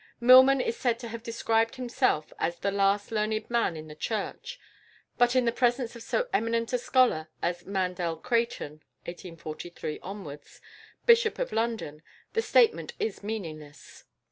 Milman is said to have described himself as "the last learned man in the Church," but in the presence of so eminent a scholar as =Mandell Creighton (1843 )=, Bishop of London, the statement is meaningless.